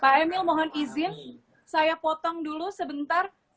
pak emil mohon izin saya ingin tahu apa kabupaten ini